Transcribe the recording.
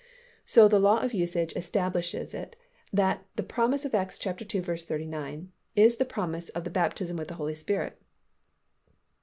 So the law of usage establishes it that the promise of Acts ii. 39 is the promise of the baptism with the Holy Spirit.